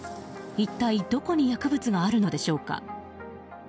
一体どこに薬物があるのでしょうか。